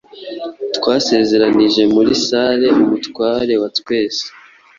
Twasezeranije muri salle umutware wa twese